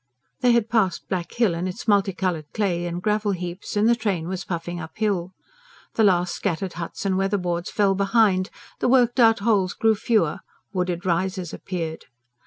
They had passed Black Hill and its multicoloured clay and gravel heaps, and the train was puffing uphill. The last scattered huts and weatherboards fell behind, the worked out holes grew fewer, wooded rises appeared.